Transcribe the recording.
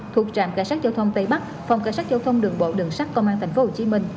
thuộc trạm cảnh sát giao thông tây bắc phòng cảnh sát giao thông đường bộ đường sát công an tp hcm